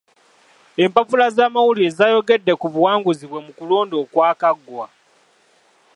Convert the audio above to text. Empapula z'amawulire zaayogedde ku buwanguzi bwe mu kulonda okwakaggwa.